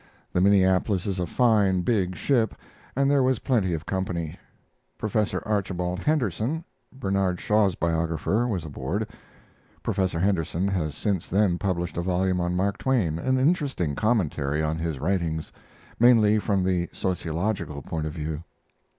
The Minneapolis is a fine, big ship, and there was plenty of company. Prof. Archibald Henderson, Bernard Shaw's biographer, was aboard; [Professor Henderson has since then published a volume on Mark Twain an interesting commentary on his writings mainly from the sociological point of view.